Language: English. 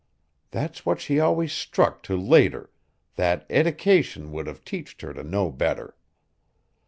That's what she always stuck t' later, that eddication would have teached her t' know better.